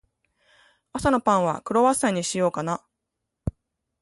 朝のパンは、クロワッサンにしようかな。